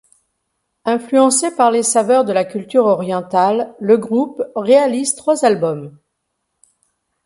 Influencé par les saveurs de la culture orientale, le groupe réalise trois albums.